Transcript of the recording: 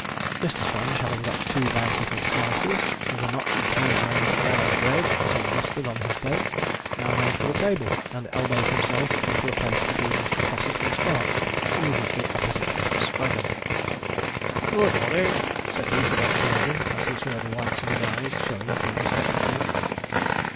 Mr. Sponge having got two bountiful slices, with a knotch of home made brown bread, and some mustard on his plate, now made for the table, and elbowed himself into a place between Mr. Fossick and Sparks, immediately opposite Mr. Spraggon. 'Good morning,' said he to that worthy, as he saw the whites of his eyes showing through his spectacles.